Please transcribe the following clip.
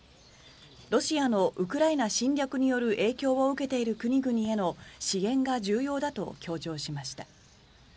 ロシアのウクライナ侵略による影響を受けている国々への支援が重要だと強調しました。